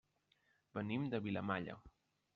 Venim de Vilamalla.